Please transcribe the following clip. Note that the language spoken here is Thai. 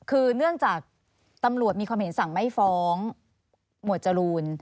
คือเนื่องจากตำรวจมีความเห็นสั่งไม่ฟ้องหมวดจรูน